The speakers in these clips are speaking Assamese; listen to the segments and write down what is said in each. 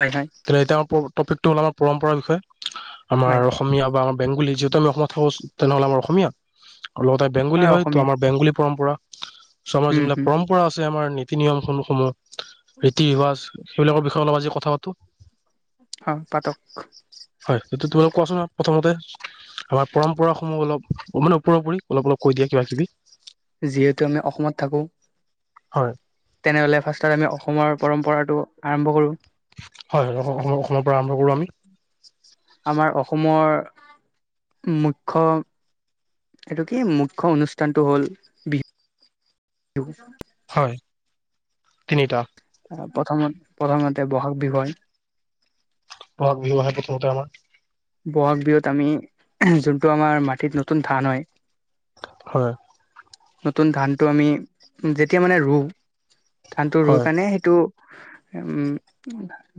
হয় হয় এতিয়া টপিকটো হল আমাৰ পৰম্পৰা বিষয়। আমাৰ হয় অসমীয়া বা বেংগলী যিহেতু আমি অসমত থাকো তেনেহ'লে আমাৰ অসমীয়া। লগতে বেংগলী হয় ত আমাৰ বেংগলী পৰম্পৰা [unintelligible] চমৰ উম যোনবিলাক হম পৰম্পৰা আছে। আমাৰ নীতি নিয়ম সমূহ ৰীতি ৰিৱাজ সেইবিলাকৰ বিষয়ে অলপ আজি কথা পাতো। অ পাতক। হয় সেইটো তোমালোক কোৱাচোন প্ৰথমতে আমাৰ পৰম্পৰা সমূহ অলপ মানে ওপৰেপৰি অলপ অলপ কৈ দিয়ে কিবা কিবি। যিহেতু আমি অসমত থাকো। হয় তেনেহলে ফাষ্টত আমি অসমৰ পৰম্পৰাটো আৰম্ভ কৰো। হয় হয় অসমৰ পৰা আৰম্ভ কৰো আমি আমাৰ অসমৰ মুখ্য এইটো কি মুখ্য অনুষ্ঠানটো হ'ল বিহু। হয় তিনিটা। প্ৰথমত প্ৰথমতে বহাগ বিহু হয়। বহাগ বিহু আহে প্ৰথমতে আমাৰ বহাগ বিহুত আমি যোনটো আমাৰ মাটিত নতুন ধান হয়। হয়। নতুন ধানটো আমি যেতিয়া মানে ৰুওঁ। ধান টো ৰুই হয় কাৰণে সেইটো। উম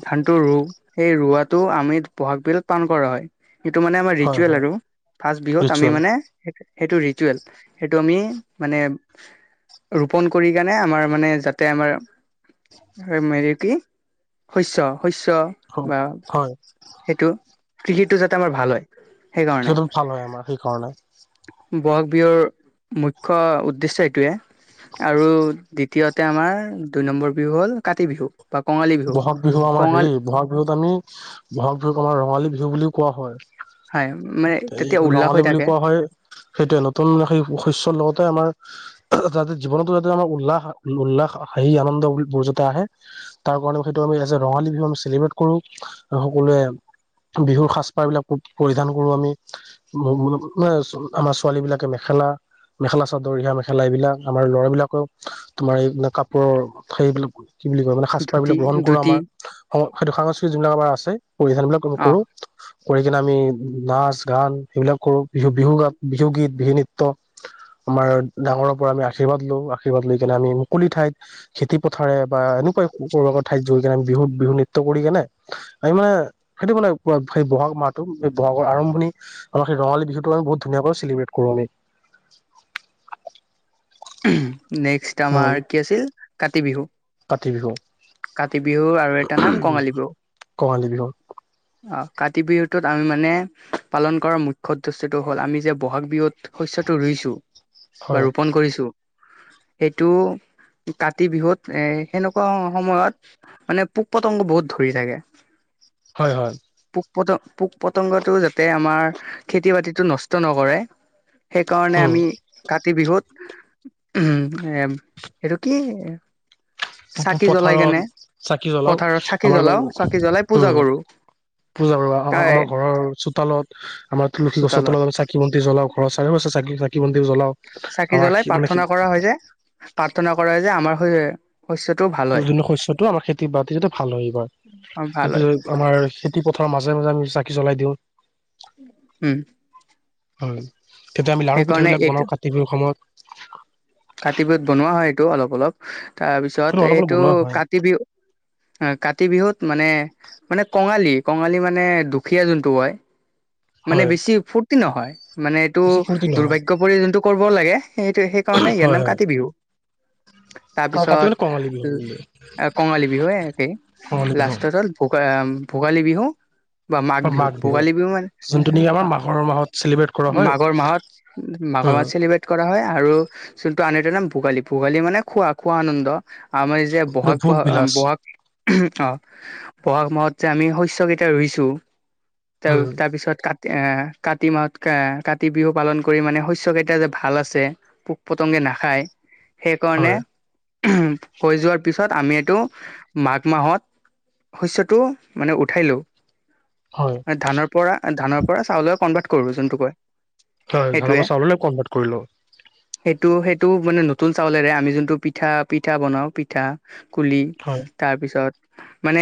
ধানটো ৰু সেই ৰুৱাটো আমি বহাগ বিহু পান কৰা হয়। সেইটো মানে আমাৰ হয় ৰিচুৱেল হয় আৰু ফাৰ্ষ্ট বিহুত আমি ৰিচুৱেল মানে। সেইটো ৰিচুৱেল সেইটো আমি মানে ৰোপণ কৰি কাৰণে আমাৰ মানে যাতে আমাৰ হেৰি কি শস্য শস্য বা। হয় সেইটো কৃষিটো যাতে আমাৰ ভাল হয় । শস্যটো ভাল হয়, আমাৰ সেই কাৰণে । ব'হাগ বিহুৰ মুখ্য উদ্দেশ্য এইটোৱে। আৰু দ্বিতীয়তে, আমাৰ দুই নম্বৰ বিহু হ'ল, কাতি বিহু । বহাগ বিহু আমাৰ হেৰি, বহাগ বিহুত আমি বহাগ বিহুক আমাৰ ৰঙালী বিহু বুলিও কোৱা মানে হয়। এই তেতিয়া উল্লাস হৈ ৰঙালী বুলি থাকে কোৱা হয়। সেইটোয়ে নতুন শস্য লগতে আমাৰ যাতে, জীৱনতো যাতে আমাৰ উল্লাস, ‌ উল্লাস হাঁহি আনন্দ বস্তটো আহে। তাৰ কাৰণে সেইটো আমি ৰঙালী বিহু আমি চেলিব্ৰেট কৰো। সকলোৱে বিহুৰ সাজপাৰ বিলাক পৰিধান কৰো । আমি আমাৰ ছোৱালী বিলাকে মেখেলা, মেখেলা চাদৰহা মেখেলা, এইবিলাক আমাৰ ল'ৰাবিলাকেও তোমাৰ এই কাপোৰৰ সেইবিলাক কি বুলি কয় মানে। ধুতি এইবিলাক গ্ৰহণ কৰে ধুতি আমাৰ, সেই সংস্কৃতিত যিবিলাক আমাৰ আছে। পৰিধান বিলাক আমি অ কৰোঁ। কৰি কিনে আমি নাচ গান সেইবিলাক কৰোঁ, বিহু বিহু গাওঁ, বিহু গীত বিহু নৃত্য, আমাৰ ডাঙৰৰ পৰা আমি আৰ্শীৰ্বাদ লওঁ, আশীৰ্বাদ লৈ কিনে আমি মুকলি ঠাইত খেতি পথাৰে বা এনেকুৱাইটো কৰবা ঠাইত জৰি কিনে আমি বিহুত বিহু নৃত্য কৰি কেনে, আমি মানে সেইটো মানে সেই বহাগ মাহটো বহাগৰ আৰম্ভণি, আমাৰ সেই ৰঙালী বিহুতটো আমি বহুত ধুনীয়াকৈ চেলিব্ৰেট কৰোঁ আমি।‌ উম। নেক্সট আমাৰ কি আছিল কাতি বিহু। কাতি বিহু। কাতি বিহুৰ আৰু এটা নাম কঙালী বিহু। কঙালী বিহু কাতি বিহুটোত আমি মানে পালন কৰা মুখ্য উদ্দেশ্যটো হ'ল আমি যে বহাগ বিহুত শস্যটো ৰুইছোঁ, বা হয় ৰোপন কৰিছোঁ। সেইটো কাতি বিহুত এ এনেকুৱা সময়ত মানে পোক পতংগ বহুত ধৰি থাকে। হয়! হয়! পোক পোক পতংগতটো যাতে আমাৰ খেতি বাতিতো নষ্ট নকৰে সেইকাৰণে উম আমি কাতি বিহুত উ! এ এইটো কি [unintelligible] চাকি জ্বলাই কেনে পথাৰত চাকি জ্বলাও। পথাৰত চাকি আমাৰ জ্বলাও উ'! চাকি জ্বলাই পূজা উ'! কৰো পূজা তাই আমাৰ ঘৰৰ চোতালত, আমাৰ তুলসী গছৰ চোতালত তলত চাকি বন্তি জ্বলাও, ঘৰত চ চাকি বন্তি জ্বলাও। চাকি আমাৰ জ্বলাই মানে প্ৰাৰ্থনা কৰা হয় যে, প্ৰাৰ্থনা কৰা যে আমাৰ হয়য়ে। শস্যটো আমাৰ খেতি বা বাতিটো ভাল হয়, এইবাৰ, অ ভাল হয় আমাৰ খেতি পথাৰৰ মাজে মাজে আমি চাকি জ্বলাই দিওঁ। উম হয়। তেতিয়া আমি লাৰু সেইকাৰণে পিঠাবিলাক এইটো বনাওঁ, কাতি বিহুৰ সময়ত কাতি বিহুত বনোৱা হয় এইটো অলপ অলপ তাৰপিছত সেইটো অলপ অলপ এইটো বনোৱা হয় কাতি বিহু, কাতি বিহুত মানে, মানে কঙালী, কঙালী মানে দুখীয়া যোনটো হয় মানে হয় বেছি ফুট নহয় মানে এইটো বেছি ফূৰ্তি নহয় দুৰ্ভাগ্য পৰি যোনটো কৰ ব লাগে, সেইটো। কাৰণে ইয়াৰ হয় নাম হয় কাতি বিহু, কাতি তাৰপিছত মানে কঙালী বিহু বুলি কঙালী বিহু একেই, কঙালী বিহু লাষ্টত হ'ল ভোগা ভোগালী বিহু বা মাঘ বিহু, ভোগালী বিহু মানে যোনটো নেকি আমাৰ মাঘৰ মাহত চেলিব্ৰেট কৰা হয় মাঘৰ মাহত, মাঘৰ উম মাহত চেলিব্ৰেট কৰা হয় আৰু কিন্তু আন এটা নাম ভোগালী, ভোগালী মানে খোৱা, খোৱা আনন্দ আমাৰ যে এইটো বহাগ ভোগ বহাগ, বিলাস বহা অ বহাগ মাহত যে আমি শস্যকেইটা ৰুইছোঁ ত উম তাৰ পিছত ক এ কাতি মাহত, কাতি বিহু পালন কৰি মানে শস্যকেইটা যে ভাল আছে পতংগে নাখায়। সেইকাৰনে হয় হৈ যোৱাৰ পিছত আমি এইটো, মাঘ মাহত শস্যটো মানে উঠাই লওঁ। হয় ধানৰ পৰা ধানৰ পৰা চাউল কনভাৰ্ট কৰো যোনটো কয়। হয় সেইটোৱে জানাব চাবলৈ কনভাৰ্ট কৰিলো। সেইটো, সেইটো মানে নতুন চাউলেৰে আমি যোনটো পিঠা, পিঠা বনাও পিঠা কুলি হয় তাৰপিছত মানে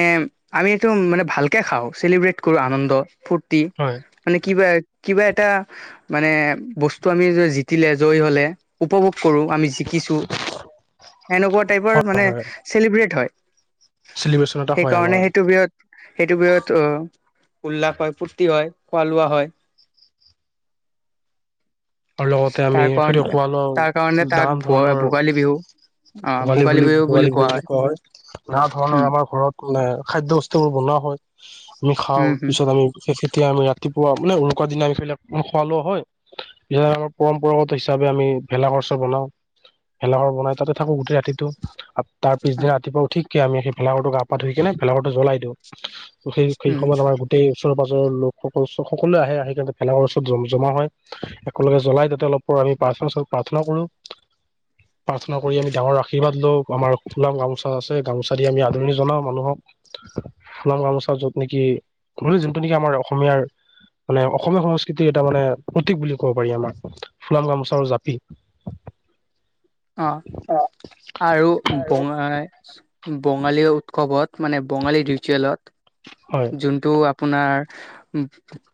আমি এইটো মানে ভালকে খাওঁ চেলিব্ৰেট কৰো, আনন্দ ফূৰ্তি হয় মানে কি ব কিবা এটা মানে বস্তু আমি জিতিলে জয়ী হলে উপভোগ কৰো, আমি জিকিছো, এনেকুৱা টাইপৰ হয়, মানে চেলিব্ৰেট হয়। চেলিব্ৰেচন এটা হয় সেইকাৰণে আমাৰ সেইটো বিয়ৰত সেইটো বিষত অ, উল্লাস হয় ফূৰ্তি হয়, খোৱা লোৱা হয়। আৰু লগতে আমি তাৰ সেইটো কাৰণে খোৱা লও, তাৰ কাৰণে তাক দান ভ ধৰণৰ ভোগালী বিহু ভোগালী বুলি ভো, গালী বুলি কোৱা হয় নানা ধৰণৰ উম আমাৰ ঘৰত মানে খাদ্য বস্তুবোৰ বনোৱা হয় আমি খাও উম হম পিছত আমি তেতিয়া আমি ৰাতিপুৱা মানে উৰুকা দিনা আমি খুৱালোও হয় আমি পৰম্পৰাগত হিচাপে আমি ভেলাঘৰ চৰ বনাওঁ ভেলাঘৰ বনাই তাতে থাকো গোটেই ৰাতিটো তাৰ পিছ দিনা ৰাতিপুৱা উঠি কি আমি সেই ফেলাকৰো পা ধই কেনে ভেলা ঘৰটো জ্বলাই দিওঁ সেই সেই উম সময়ত আমাৰ গোটেই ওচৰে পাজৰ লোকসকল সকলোৱ আহে আহি ভেলাৰ ওচৰতম জমা হয় সকলোকে জ্বলাই তাতে অলপ প আমি প্ৰাৰ্থ প্ৰাৰ্থনা কৰোঁ, প্ৰাৰ্থনা কৰি আমি ডাঙৰ আশীৰ্বাদ লওঁ আমাৰ সনাম গামোচা আছে গামোচা দি আমি আদৰণি জনাওঁ মানুহক, সাম গামোচা য'ত নেকি যোনটো নেকি আমাৰ অসমীয়াৰ মানে অসমীয়া সংস্কৃতিৰ এটা মানে প্ৰতীক বুলি ক ক'ব পাৰি আমাৰ ফুলাম গামোচা জাপি অ আৰু ব বঙালী উৎসৱত মানে বঙালী হয় ৰিচুৱেলত যোনটো আপোনাৰ উ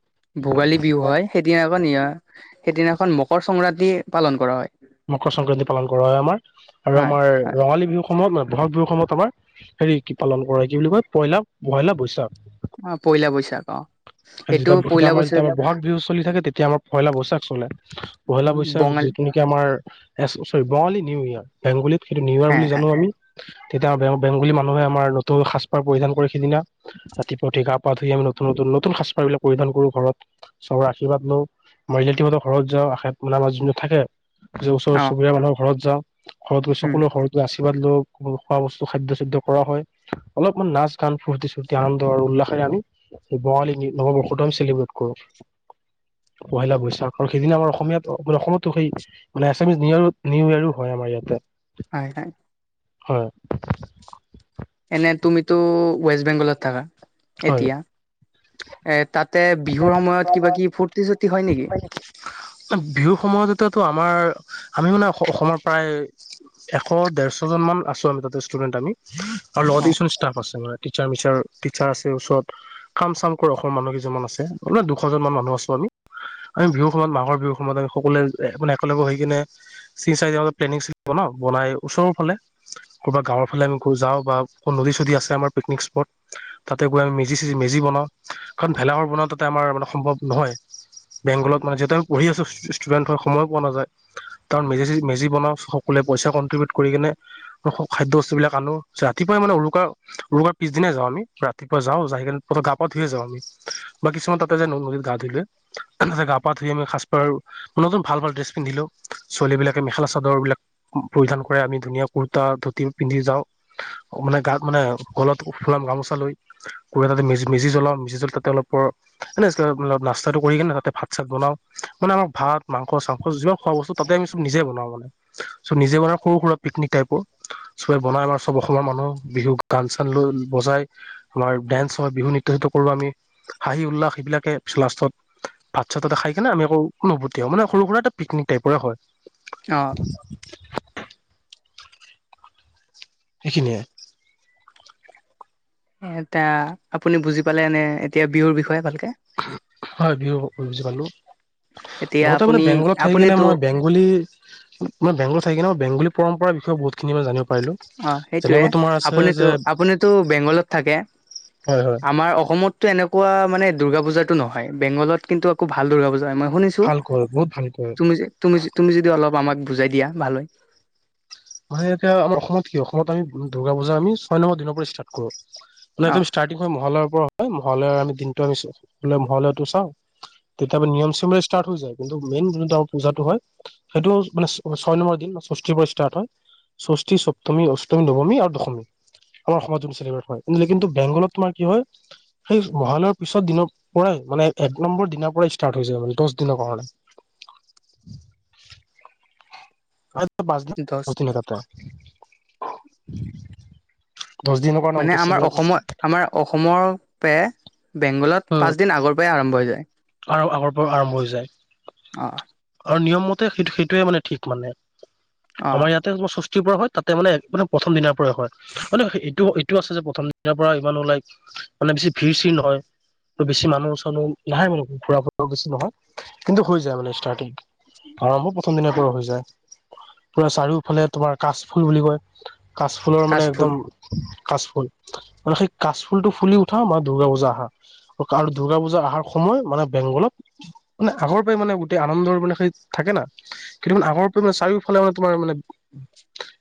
ভোগালী বিহু হয় সেইদিনা নিশা দিনা সেইদিনাখন মকৰ সংক্ৰান্তি পালন কৰা হয় মকৰ সংক্ৰান্তি পালন কৰা হয় আমাৰ আৰু হয় আমাৰ হয় ৰঙালী বিহু সময়ত ন বহাগ বিহুৰ সময়ত আমাৰ হেৰি কি পালন কৰা হয় কি বুলি কয় পয়লা বইলা বৈশাখ অ পয়লা বৈশাখ অ এইটো যেতিয়াতিয়া পয়লা আমাৰ যেতিয়া বৈশাখ আমাৰ বহাগ বিহু চলি থাকে তেতিয়া আমাৰ পয়লা বস্তি চাকচল পহিলা বৈশা বঙালী যিটোনি চৰি বঙালী নিউ ইয়ৰ্ক বেংগলীত সেইটো নিউৱাৰ হে বুলি হে জানো আমি তেতিয়া বেংগলী মানুহে আমাৰ নতুন সাজপাৰ পৰিধান কৰে সিদিনা ৰাতিপুৱা উঠি গা পা ধুই আ নতু নতু নতুন সাজপাৰ বিলাক পৰিধান কৰো ঘৰত চবৰে আশীৰ্বাদ লওঁ মাৰতিতৰ ঘৰত যাওঁ আ মানে আমাৰ যোনটো থাকে ওচৰ অ চুবুৰীয়া মানুহ ঘৰত যাও ঘৰত উম সকলো ঘৰত আশীৰ্বাদ লও খোৱা বস্তু খাদ্যয় চাদয় কৰা হয় অলপমান নাচ গান ফূৰ্তি ফূৰ্তি আনন্দ আৰু উল্লাসে আমি স বঙালী নৱবৰ্ষটো আমি চেলিব্ৰেট কৰো, পহিলা বৈশাখ আৰু সেইদিনা আমাৰ অসমীয়াত মে অসমতো সেই মানে এছামিছ নিউ ইৰ নিউ ইয়েৰো হয় আমাৰ ইয়াতে হয় হয় হয় এনে তুমিতো ৱেষ্ট বেংগলত থাকা হয় এতিয়া এ তাতে বিহুৰ সময়ত কিবা কি ফূৰ্তি চূৰ্তি হয় নেকি বিহু সময়তো আমাৰ আমি মানে অসমৰ প্ৰায় এশ ডেৰশজন মান আছো আমি তাতে ষ্টুডেন্ট আমি আৰু অ লগতে কিছুমান ষ্টাফ আছে মানে টিচাৰ মিচাৰ চাৰ আছে ওচৰত কাম চাম কৰি অসমৰ মানুহ কেইছুমান আছে মে দুশজন মান মানুহ আছো আমি, আমি বিহুৰ সময়ত মাঘৰ বিহু সময়ত আমি সকলোৱে মানে একেলগে হৈ কিনে চিন চাই প্লেনিং চ ন বনাই ওৰালে ক'ৰবা গাঁৱৰ ফালে আমি যাওঁ বা নদী চদী আছে আমাৰ পিকনিক স্পট তাতে গৈ আমি মেজি চেজি মেজি বনাওঁ কাৰণ ভেলাঘৰ বনাওঁ তাতে আমাৰ মানৱ নহয় বেংগলত মানে যতিহয়া আম প়ি আছো ষ্টুডেণ্ট হয় সময়ো পোৱা নাযায় কাৰণ মেজ চেজি মেজি বনাওঁকলোৱে পইচা কণ্ট্ৰিবউট কৰি কিনে খাদ্য বস্তুবিলাক আনো ৰাতিপুৱাই মানে উৰুকাৰ উৰুকাৰ পিছদিনাই যাওঁ আমি ৰা ৰাতিপুৱা যাওঁ য ততে গা পা ধুয়ে যাওঁ আমি বা কিছুমান তাতে যে নদ নদীত গা ধুই লুৱে তাতে গা পা ধুই আমি সাজপাৰ নতুন ভাল ভাল ড্ৰেছ পিন্ধিলোও ছোৱালীবিলাকে মেখেলা চাদৰ বিলাক পৰিধান কৰে আমি ধুনীয়া কুৰ্তা ধুতি পিন্ধি যাওঁ মানে গাত মানে গলত ফুলাম গামোচা লৈ ক তাতে ম মেজি জ্বলাওঁ মেজ জ্বল তাতে অলপ এনে না্তাটো কৰি কিনে তাতে ভাত চাত বনাও মানে আমাক ভাত মাংস চাংস যিবাক খোৱা বস্তু তাতে আমি চব নিজে বনাও মানে চব নিজে বনাই সৰু সুৰা পিকনিক টাইপৰ চবে বনাই আমাৰ চব অসমৰ মানুহ বিহুক গান চান লৈ বজাই আমাৰ ডেন্স হয় বিহু নৃত্য চ কৰো আমি হাঁহি উল্লাস সবিলাকেি লাষ্টত ভাত চাত তটা খাই কেনে আমি আকৌ অনুভূতি হওঁ মানে সৰু সুৰা এটা পিকনিক টাইপৰে হয়। [inaudible] অ সেইখিনিয়ে এ এয়াতি আপুনি বুজি পালে এনে এতিয়া বিহুৰ বিষয়ে ভালকে হয় বিহু বুজি পালো। এতিয়া লগতে মানে আপুনি বেংগলত থাকি কিনে আপুনিতো মই বেংগলী মানে বেংগলত থাক কিনে মই বেংগলী পম্পৰা বিষয়ে বহুত খিনি মনে জানিব পাৰিলো অ সেইটয়ে যেনেকৈ তোমাৰ আছে আপুনিতো যে আপুনিতো বেংগলত থাকে হয় হয় আমাৰ অসমতো এনেকুৱা মানে দুৰ্গা পূজাটো নহয় বেংগলত কিন্তু আকো ভাল দুৰ্গা পূজা মই শুনিছো ভালকৈ বহুত ভালকৈ তুমিযে তুমিযে তুমি যদি অলপ আমাক বুজাই দিয়া ভাল হয়। হয় এতিয়া আমাৰ অসমত কি অসমত আমি দুৰ্গ পূজামি ছয়ম্বৰ দিনৰ পৰা ইষ্টাৰ্ত কৰো। মানে অ এইদম ষ্টাৰ্টিং হয় মহালৈ হয় মহয় আমি দিনটো আমি সে মহালয়টো চাওঁ তেতিয়া নিয়ম চিমৰে ষ্টাৰ্ট হৈ যায়। কিন্তু মেইন যোনটো আমাৰ পূজাটো হয়। সেইটোও মানে ছয় নম্বৰ দিন বা ষষ্ঠিৰ পৰা ষ্টাৰ্ট হয়। ষষ্ঠি সপ্তমী অষ্টমী নৱমী আৰু দশমী আমাৰ সমাজ য চেলিব্ৰেট হয়নে কিন্তু বেংগলত তোমাৰ কি হয়। সেই মহালয়ৰ পিছত দিনৰ পৰাই মানে এক নম্বৰ দিনৰাৰ পৰাই ষ্টাৰ্ট হৈ যায় ।মানে দহ দিনৰ কাৰণে কত পাচ দহ পচদিনা যাত্ৰা [inaudible] মানে আমাৰ অসমৰ আমাৰ অসমৰ পে বেংগলত উম পাঁচ দিন আগৰ পৰাই আৰম্ভ হৈ যায়। আৰু আগৰ পৰা আৰম্ভ হৈ যায়। অ অহ নিয়ম মতে সেইটো সেইটোৱে মানে ঠিক মানে অ আমাৰ ইয়াতে মছ পৰা হয় তাতে মানে মানে প্ৰথম দিনাৰ পৰাই হয়। মানে এইটো এইটো আছে যে প্ৰথম দিনাৰ পৰা ইমানো লাইক মানে বেছি ভিৰ চিৰ নহয় ত বেছি মানুহ চচানু লাহে মান ফুৰাফ্ট বেছি নহয় কিন্তু হৈ যায় মানে ষ্টাৰ্টিং আৰম্ভ প্ৰথম দিন পৰা হৈ যায় পুৰা চাৰিওফালে তোমাৰ কাচফুল বুলি কয়। কাচফুলৰ মানে কাচ ফুল একদম কাচফুল আৰু সেই কাচফুলটো ফুলি উঠা মাৰ দুূৰ্গা পূজা আহা আৰু দুূৰ্গা পূজা অহাৰ সময় মানে বেংগলত, মানে আগৰ পৰাই মানে গোটেই আনন্দৰ মানে সেই থাকে না কিন্তু মানে আগৰ পৰাই মানে চাৰিওফালে মানে তোমাৰ মানে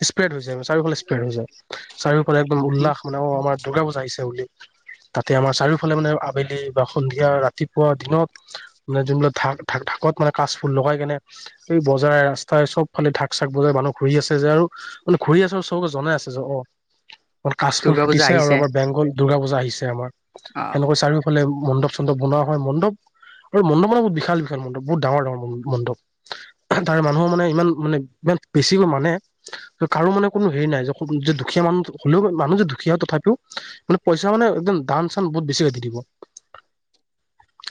স্প্ৰেড হৈ যায়ে চাৰিওফালে স্প্ৰেড হৈ যায় চাৰিও একদম উল্লাহ মানে অ অমাৰ দুূৰ্গা পূজা আহিছে বুলি তাতে আমাৰ চাৰিওফালে মানে আবেলি বা সন্ধিয়া ৰাতি- পোৱা দিনত মানে যোনবিলাক ঢাক ঢাকত মানে কাচফুল লগাই কেনে এই বজাৰ ৰাস্তাই চব ফালে ঢাক চাক বজাৰ মানুহ ঘূৰি আছে যে আৰু মানে ঘূৰি আছে আৰু চবকে জনাই আছে যে অ কাচফুল দুৰ্গা পূজা ফুটিছে আৰু আহিছে আমাৰ বেংগল দুৰ্গা পূজা আহিছে আমাৰ অ সেনেকৈ চাৰিওফালে মণ্ডপ চণ্ডপ বনাউ হয় মণ্ডপ আৰু মণ্ডপ মানে বহুত বিশাল বিশাল মণ্প বহুত ডাঙৰ ডাঙৰ মণ্ডপ তাৰে মানুহৰ মানে ইমান মানে ইমান বেছিকৈ মানে কাৰো মানে কোনো হেৰি নাই যে দুখীয়া মানুহ হলেও মানুহ যে দুখীয়া হয়। তথাপিও মানে পইচা মানে একদম দান চান বহুত বেছিকে দি দিব।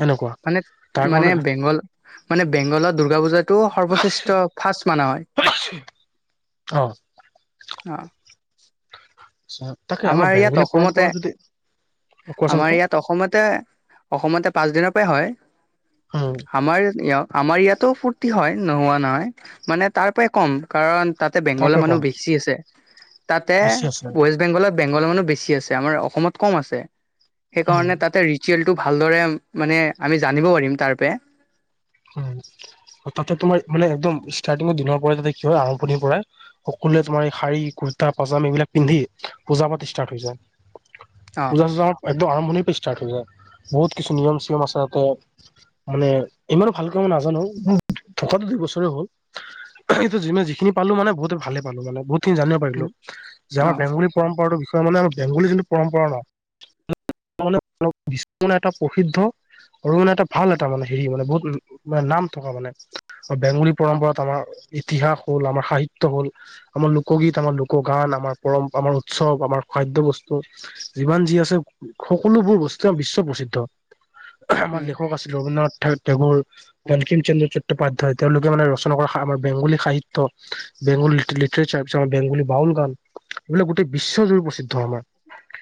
এনেকুৱা মানে, তাৰ মানে, কাৰণে বেংগল মানে বেংগলত দুৰ্গা পূজাত সেইটো সৰ্বশ্ৰেষ্ঠ ফাষ্ট মানা হয়। অঁ', । আহঁ', তাকে আমাৰ ইয়াত বেংগলী অসমতে, পৰম্পৰা যদি কোৱাচোন কোৱা আমাৰ ইয়াত অসমতে, অসমতে পাঁচ দিনৰ পৰাই হয়, উম, আমাৰ আমাৰ ইয়াতো ফূৰ্তি হয়। নোহোৱা নহয় মানে তাৰ পৰাই কম কাৰণ তাতে তাৰ বেংগলৰ পৰা মানুহ কম বেছি আছে, তাতে বেছি আছে ৱেষ্ট বেংগলৰ মানুহ বেছি আছে, আমাৰ অসমত কম আছে। উম, সেইকাৰণে তাতে ৰিচুৱেল সেইটো ভালদৰে মানে আমি জানিব পাৰিম তাৰপৰা। উম, মইটো দেখোই আৰম্ভনিৰ পৰাই সকলোৱে তোমাৰ এই শাৰী কুৰ্তা পাজাম এইবিলাক পিন্ধি পূজা পাত ষ্টাৰ্ট হৈ যায়। অ পূজা চূজাত একদম আৰম্ভণি পৰাই ষ্টাৰ্ট হৈ যায় বহুত কিছু নিয়ম চয়ম আছে তাতে মানে ইমানো ভালক মই নাজানো মোৰ থকাতটো দুইবছৰে হ'ল এইটো যি যিখিনি পালো মানে বহুতে ভালে পালো মানে বহুত জানিব পাৰিলো যে অ আমাৰ বেংগলী পৰম্পৰাটোৰ বিষে মানে আমাৰ বেংগলী যোনটো পৰম্পৰা আমাৰ [unintelligible] এটা প্ৰসিদ্ধ আৰু মানে এটা ভাল এটা মানে হেৰি মানে বহুত উম', - নাম থকা মানে বেংগলী পৰম্পৰাত আমাৰ ইতিহাস হ'ল আমাৰ সাহিত্য হ'ল আমাৰ লোকগীত আমাৰ লোকগান আমাৰ পৰম আমাৰ উৎসৱ আমাৰ খাদ্য বস্তু যিমান যি আছে সকলোবোৰ বস্তু আৰু বিশ্ব প্ৰসিদ্ধ আমাৰ উম লেখক আছিল ৰবীন্দ্ৰনাথ ঠাকুৰ, বংকিমচন্দ্ৰ চট্টোপাধ্যায় তেওঁলোকে মানে ৰচনা কৰা সাৰ বেংগলী সাহিত্য বেংগলী লিটাৰেচাৰ পিছত বেংগলী বাউল গান এইবিলাক গোটেই বিশ্বজুৰি প্ৰসিদ্ধ আমাৰ।